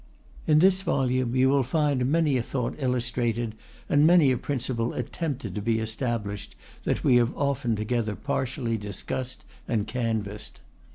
In this volume you will find many a thought illustrated and many a principle attempted to be established that we have often together partially discussed and canvassed.